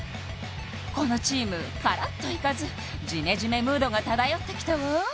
このチームカラッといかずジメジメムードが漂ってきたわ！